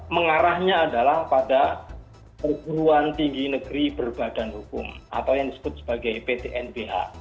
mengarahnya adalah pada perguruan tinggi negeri berbadan hukum atau yang disebut sebagai ptnbh